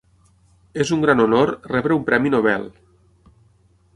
És un gran honor rebre un premi Nobel.